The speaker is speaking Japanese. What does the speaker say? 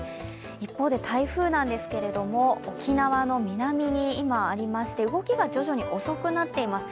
一方で台風なんですけれども沖縄の南に今、ありまして動きが徐々に遅くなっています。